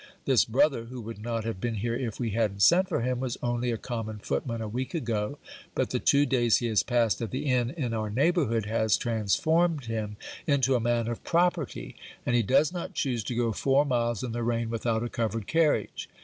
This brother, who would not have been here if we hadn't sent for him, was only a common footman a week ago, but the two days he has passed at the inn in our neighbourhood has transformed him into a man of property; and he does not choose to go four miles in the rain without a covered carriage.